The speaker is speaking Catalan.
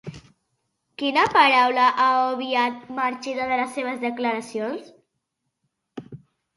Quina paraula ha obviat Marchena de les seves declaracions?